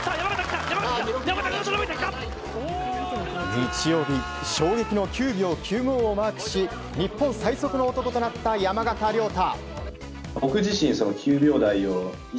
日曜日衝撃の９秒９５をマークし日本最速の男となった山縣亮太。